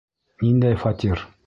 Ниндәй фатир?